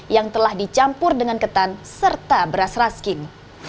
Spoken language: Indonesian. yang telah dicampur dengan ketan serta beras rasking